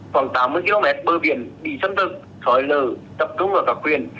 khoảng tám mươi km bờ biển bị chấm thực sỏi lở tập trung vào các quyền